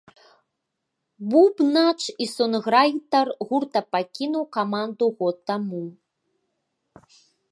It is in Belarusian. Бубнач і сонграйтар гурта пакінуў каманду год таму.